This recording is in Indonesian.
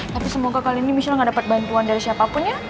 tapi semoga kali ini misalnya gak dapat bantuan dari siapapun ya